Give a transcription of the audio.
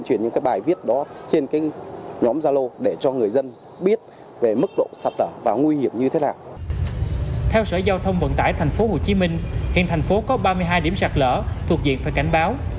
theo sở giao thông vận tải tp hcm hiện thành phố có ba mươi hai điểm sạt lỡ thuộc diện phải cảnh báo